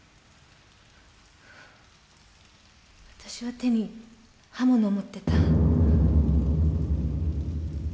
あたしは手に刃物を持ってた。